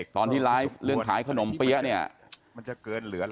ตอนที่ไลฟ์เรื่องขายขนมเปี๊ยะเนี่ย